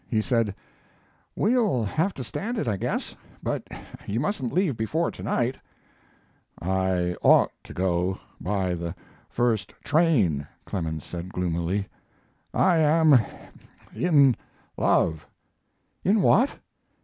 He said: "We'll have to stand it, I guess, but you mustn't leave before to night." "I ought to go by the first train," Clemens said, gloomily. "I am in love." "In what!"